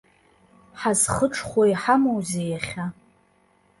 Ҳазхыҽхәо иҳамоузеи иахьа?